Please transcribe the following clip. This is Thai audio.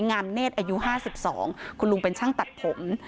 อายุห้าสิบสองคุณลุงเป็นช่างตัดผม